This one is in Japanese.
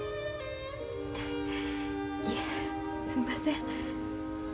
いえすんません。